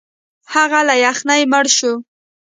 هغه له یخنۍ مړ شو.